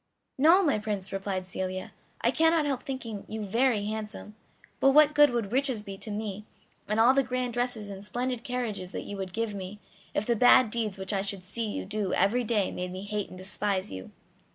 "No, my Prince," replied Celia; "I cannot help thinking you very handsome; but what good would riches be to me, and all the grand dresses and splendid carriages that you would give me, if the bad deeds which I should see you do every day made me hate and despise you?"